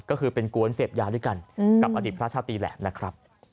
ก็คือเป็นกวนเสพยาด้วยกันกับอดีตพระชาตรีแหละนะครับ